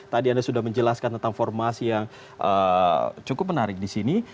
tadi anda sudah menjelaskan tentang formasi yang cukup menarik di sini